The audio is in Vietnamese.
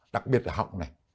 đặc biệt là họng này